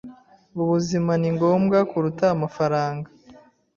Ubuzima ni ngombwa kuruta amafaranga.